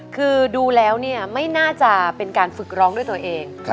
คือดูแล้วเนี่ยไม่น่าจะเป็นการฝึกร้องด้วยตัวเอง